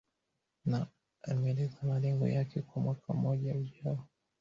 na ameelezea malengo yake kwa mwaka mmoja ujao